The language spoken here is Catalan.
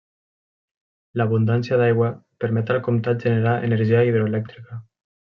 L'abundància d'aigua permet al comtat generar energia hidroelèctrica.